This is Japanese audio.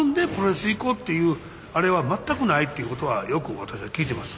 こうっていうあれは全くないっていうことはよく私は聞いてます。